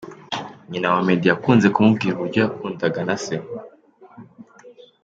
Nyina wa Meddy yakunze kumubwira uburyo yakundaga na Se.